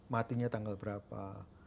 matinya tanggal berapa